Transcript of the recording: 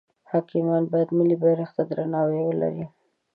حاکمان باید ملی بیرغ ته درناوی ولری.